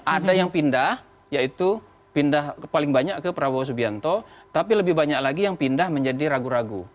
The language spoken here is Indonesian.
ada yang pindah yaitu pindah paling banyak ke prabowo subianto tapi lebih banyak lagi yang pindah menjadi ragu ragu